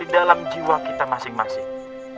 di dalam jiwa kita masing masing